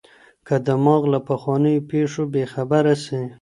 که دماغ له پخوانیو پېښو بې خبره سي